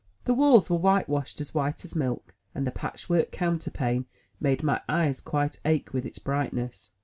The walls were whitewashed as white as milk, and the patch work counterpane made my eyes quite ache with its brightness.